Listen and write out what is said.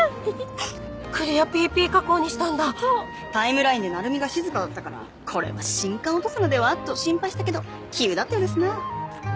タイムラインで成海が静かだったからこれは新刊落とすのでは？と心配したけど杞憂だったようですな。